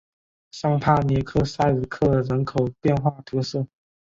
尚帕涅勒塞克人口变化图示